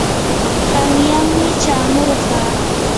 qanyanmi chamurqaa.